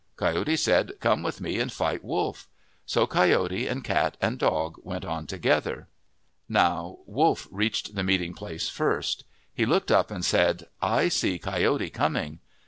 Coyote said, " Come with me and fight Wolf." So Coyote and Cat and Dog went on together. Now Wolf reached the meeting place first. He looked up and said, " I see Coyote coming."